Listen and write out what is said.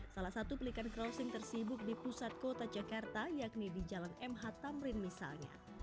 salah satu pelikan crossing tersibuk di pusat kota jakarta yakni di jalan mh tamrin misalnya